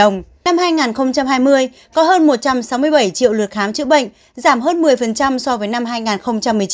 năm hai nghìn hai mươi có hơn một trăm sáu mươi bảy triệu lượt khám chữa bệnh giảm hơn một mươi so với năm hai nghìn một mươi chín